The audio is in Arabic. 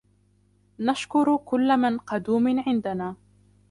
نشكر كل من قدوم عندنا.